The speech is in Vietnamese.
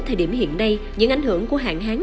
thời điểm hiện nay những ảnh hưởng của hạn hán